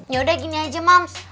yaudah gini aja mams